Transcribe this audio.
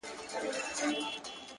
• عبدالباري جهاني: څرنګه شعر ولیکو؟ ,